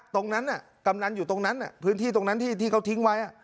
กำนันอยู่ตรงนั้นพื้นที่ตรงนั้นที่เขาทิ้งไว้